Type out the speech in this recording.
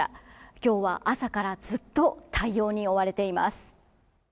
今日は朝からずっと対応に追われています。